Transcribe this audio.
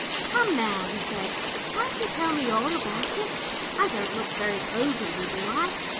"Come now," he said, "can't you tell me all about it? I don't look very ogre y, do I?